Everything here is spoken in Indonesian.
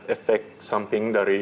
efek samping dari